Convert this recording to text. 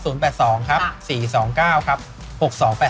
โอเควันนี้ขอบคุณมากครับพี่แน็กแล้วพี่นัท